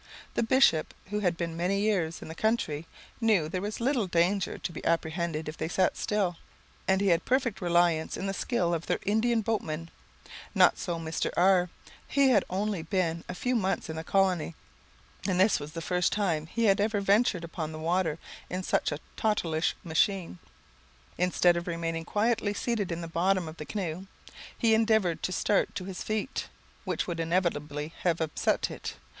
The bishop, who had been many years in the country, knew there was little danger to be apprehended if they sat still, and he had perfect reliance in the skill of their Indian boatman. Not so Mr. R , he had only been a few months in the colony, and this was the first time he had ever ventured upon the water in such a tottleish machine. Instead of remaining quietly seated in the bottom of the canoe, he endeavoured to start to his feet, which would inevitably have upset it.